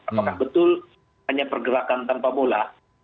apakah betul hanya pergerakan tanpa bola